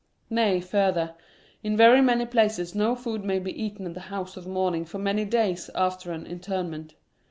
Nay, further — in very many places no food may be eaten in the house of mourn ing for many days after an interment.